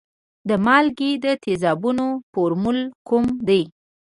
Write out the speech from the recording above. د مالګې د تیزابونو فورمول کوم دی؟